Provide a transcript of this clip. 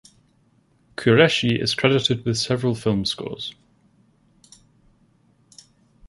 Qureshi is credited with several film scores.